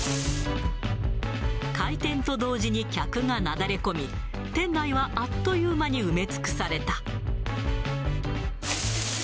開店と同時に客がなだれ込み、店内はあっという間に埋め尽くされた。